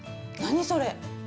何それ？